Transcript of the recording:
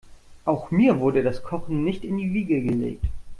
Auch mir wurde das Kochen nicht in die Wiege gelegt.